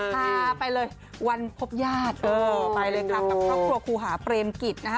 พาไปเลยวันพบญาติเออไปเลยค่ะกับครอบครัวครูหาเปรมกิจนะฮะ